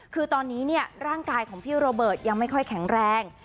คือตอนนี้ร่างกายของพี่โรเบิร์ตยังไม่ค่อยแข็งแรง